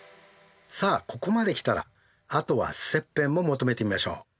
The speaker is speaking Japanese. さあここまで来たらあとは切片も求めてみましょう。